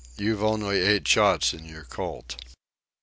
"You've only eight shots in your Colt."